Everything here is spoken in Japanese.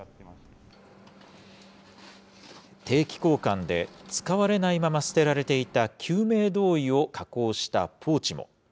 定期交換で使われないまま捨てられていた救命胴衣を加工したポーチも。